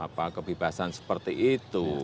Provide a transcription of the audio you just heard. apa kebebasan seperti itu